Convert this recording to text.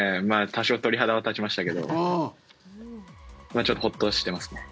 多少、鳥肌は立ちましたけどちょっとホッとしていますね。